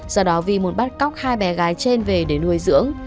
do đó vy muốn bắt cóc hai bé gái trên về để nuôi dưỡng